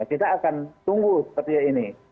kita akan tunggu seperti ini